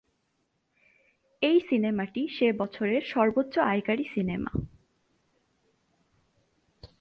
এই সিনেমাটি সে বছরের সর্বোচ্চ আয়কারী সিনেমা।